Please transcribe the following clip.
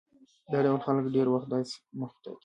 دا ډول خلک ډېری وخت داسې موخې ټاکي.